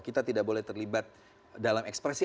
kita tidak boleh terlibat dalam ekspresi